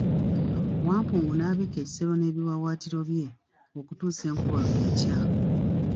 Wampungu n'abikka ekisero n'ebiwawaatiro bye okutuusa enkuba lwe yakya.